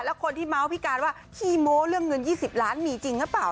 แล้วคนที่เมาส์พี่การว่าขี้โม้เรื่องเงิน๒๐ล้านมีจริงหรือเปล่า